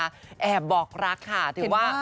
แอบบอกรักค่ะถือว่า